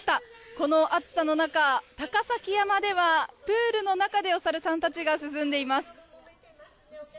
この暑さの中、高崎山ではプールの中でお猿さんたちが涼んでいます。